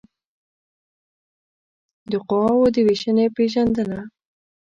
د قواوو د وېشنې پېژندنه